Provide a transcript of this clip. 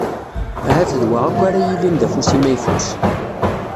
Ahat d wa akk ara yillin d afus-im ayfus.